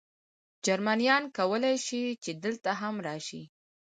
جرمنیان کولای شي، چې دلته هم راشي.